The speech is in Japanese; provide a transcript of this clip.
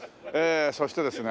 そしてですね